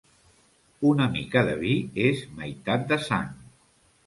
Una mica de vi és meitat de sang.